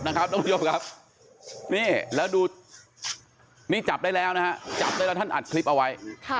แล้วดูนี่จับได้แล้วจับแล้วท่านอัดคลิปเอาไว้